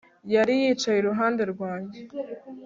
Yari yicaye iruhande rwanjye